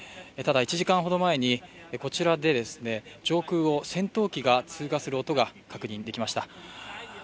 ただ１時間ほど前に、こちらで上空を戦闘機が通過する音が確認できました。